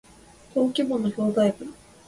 登記簿の表題部